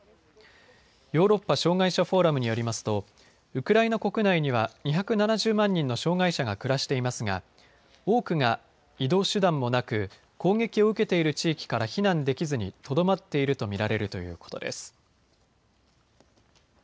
ヨーロッパ障害者フォーラムによりますとウクライナ国内には２７０万人の障害者が暮らしていますが多くが移動手段もなく攻撃を受けている地域から避難できずにとどまっていると見られるということです。